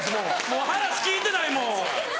もう話聞いてないもう。